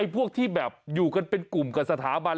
พวกที่แบบอยู่กันเป็นกลุ่มกับสถาบัน